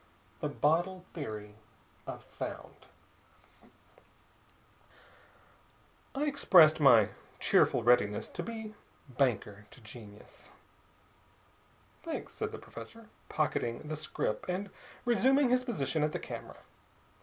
THE BOTTLE THEORY OF SOUND I expressed my cheerful readiness to be banker to genius. "Thanks," said the professor, pocketing the scrip and resuming his position at the camera.